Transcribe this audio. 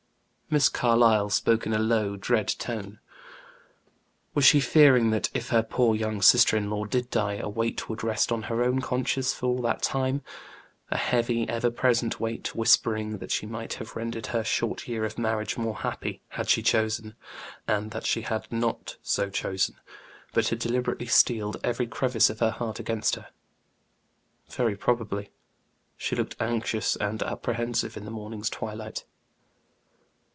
Miss Carlyle spoke in a low, dread tone. Was she fearing that, if her poor young sister in law did die, a weight would rest on her own conscience for all time a heavy, ever present weight, whispering that she might have rendered her short year of marriage more happy, had she chosen; and that she had not so chosen, but had deliberately steeled every crevice of her heart against her? Very probably; she looked anxious and apprehensive in the morning's twilight.